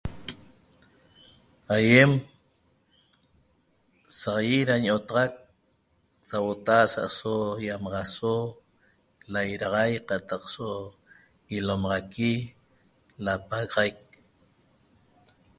Aiem saxaiet ra ño'otaxac sauota'a asa aso iamaxaso lairaxaic qataq so ilomaxaqui lapagaxaic